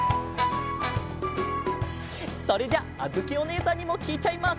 それじゃああづきおねえさんにもきいちゃいます。